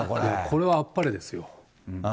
これはあっぱれですよ。